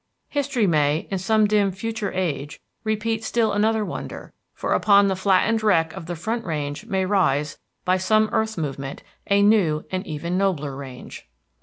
History may, in some dim future age, repeat still another wonder, for upon the flattened wreck of the Front Range may rise, by some earth movement, a new and even nobler range.